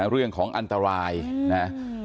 เรื่องของอันตรายนะ